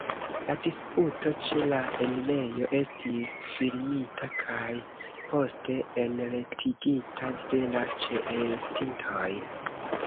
La disputo ĉe la enirejo estis filmita kaj poste enretigita de la ĉeestintoj.